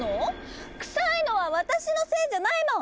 クサいのは私のせいじゃないもん。